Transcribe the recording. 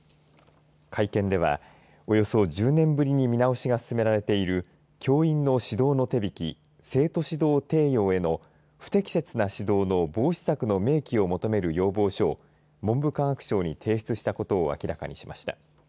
会見では、およそ１０年ぶりに見直しが進められている教員の指導の手引き生徒指導提要への不適切な指導の防止策の明記を求める要望書を文部科学省に提出したことを明らかにしました。